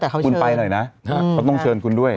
แต่คุณไปหน่อยนะเขาต้องเชิญคุณด้วย